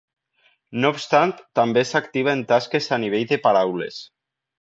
No obstant, també s'activa en tasques a nivell de paraules.